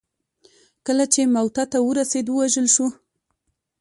کله چې موته ته ورسېد ووژل شو.